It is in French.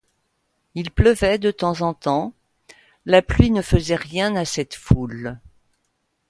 Il pleuvait de temps en temps; la pluie ne faisait rien à cette foule.